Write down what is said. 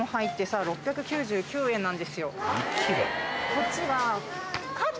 こっちは。